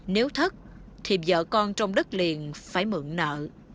nếu thất thì vợ con trong đất liền phải mượn nợ